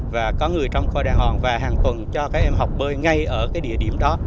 và có người trong coi đại hòn và hàng tuần cho các em học bơi ngay ở cái địa điểm đó